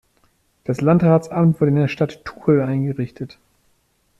Das Landratsamt wurde in der Stadt Tuchel eingerichtet.